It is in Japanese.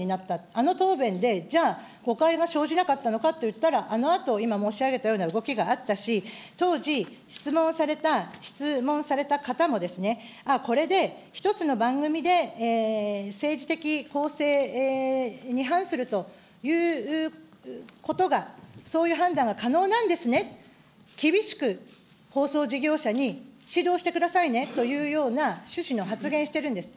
あの答弁で、じゃあ、誤解が生じなかったのかといったらあのあと、今申し上げたような動きがあったし、当時、質問をされた、質問された方もですね、ああ、これで、一つの番組で政治的公平に反するということが、そういう判断が可能なんですね、厳しく放送事業者に指導してくださいねというような趣旨の発言しているんです。